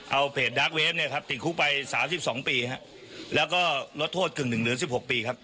เอาเพจเนี่ยครับติดคุกไปสามสิบสองปีฮะแล้วก็ลดโทษกึ่งหนึ่งหรือสิบหกปีครับ